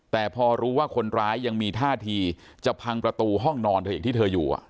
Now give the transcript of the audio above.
แต่พอรู้ว่าคนร้ายยังมีท่าทีจะพังประตูห้องนอนเธออีกที่เธออยู่